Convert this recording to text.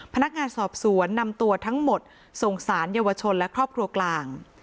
พนักงานสอบสวนนำตัวทั้งหมดส่งสารเยาวชนและครอบครัวกลาง